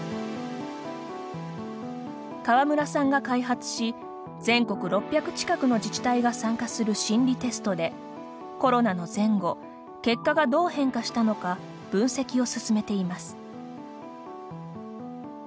河村さんが開発し全国６００近くの自治体が参加する心理テストでコロナの前後結果がどう変化したのか分析を進めています。